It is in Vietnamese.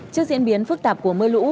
trước diễn biến phức tạp của mưa lũ